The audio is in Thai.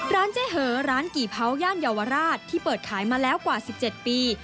เจ๊เหอร้านกี่เผาย่านเยาวราชที่เปิดขายมาแล้วกว่า๑๗ปี